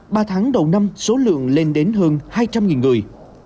ba tháng đầu năm số lượng lên đến hơn hai trăm linh người